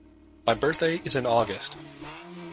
My birthday is in August.